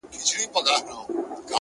زغم د بریا اوږد ملګری دی،